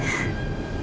masa yang terbaik